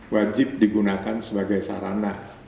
wajib digunakan sebagai sarana